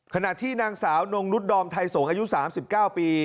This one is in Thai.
ขณะที่นางสาวนุ้งรุ๊ดดอมไทยสงครับอายุ๓๙ปี